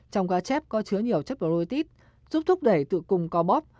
trong cá chép có chứa nhiều chất protein giúp thúc đẩy tự cùng co bóp